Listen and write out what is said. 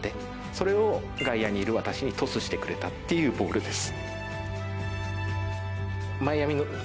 それを外野にいる私にトスしてくれたボールです。